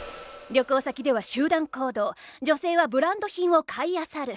旅行先では集団行動女性はブランド品を買い漁る。